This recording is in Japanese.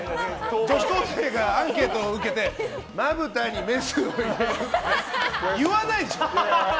女子高生がアンケートを受けてまぶたにメスを入れるって言わないでしょ。